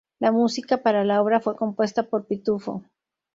La música para la obra fue compuesta por "Pitufo".